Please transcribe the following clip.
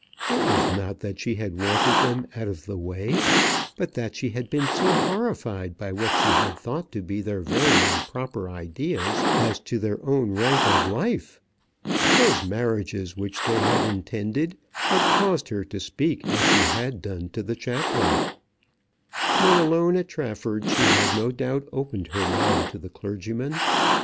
It was not that she had wanted them out of the way, but that she had been so horrified by what she had thought to be their very improper ideas as to their own rank of life. Those marriages which they had intended had caused her to speak as she had done to the chaplain. When alone at Trafford she had no doubt opened her mind to the clergyman.